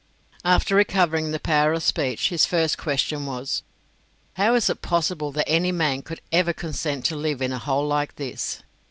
After recovering the power of speech, his first question was, "How is it possible that any man could ever consent to live in a hole like this?"